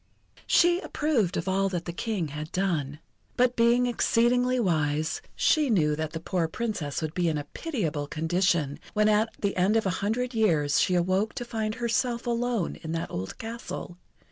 She approved of all that the King had done. But being exceedingly wise, she knew that the poor Princess would be in a pitiable condition when at the end of a hundred years she awoke to find herself alone in that old castle.